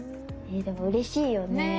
でもうれしいよね。ね。